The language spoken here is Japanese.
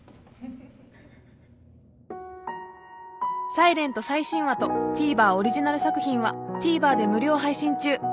［『ｓｉｌｅｎｔ』最新話とＴＶｅｒオリジナル作品はＴＶｅｒで無料配信中］